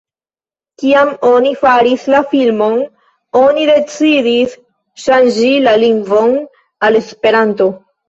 Kiam oni faris la filmon, oni decidis ŝanĝi la lingvon al Esperanto.